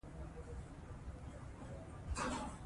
ازادي راډیو د حیوان ساتنه په اړه پرله پسې خبرونه خپاره کړي.